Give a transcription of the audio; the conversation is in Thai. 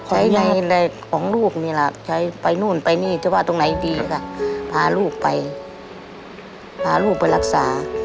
ใช้ในของลูกนี่แหละใช้ไปนู่นไปนี่จะว่าตรงไหนดีค่ะพาลูกไปพาลูกไปรักษา